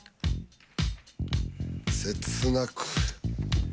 切なく。